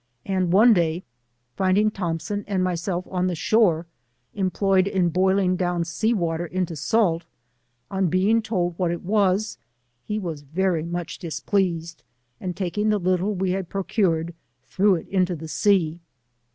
And one day finding Thompson and myself on the shore, era ployed in boiling down, sea water into salt, on be ing told what it was, he was very much dis pleased, and taking the little we had procured, threw it into the sea.